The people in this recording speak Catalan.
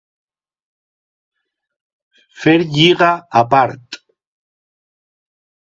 Fer lliga a part.